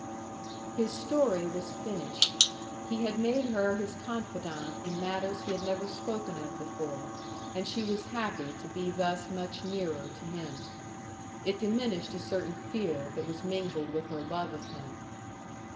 His story was finished. He had made her his confidant in matters he had never spoken of before, and she was happy to be thus much nearer to him. It diminished a certain fear that was mingled with her love of him.